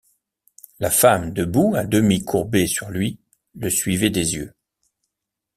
La femme debout, à demi courbée sur lui, le suivait des yeux.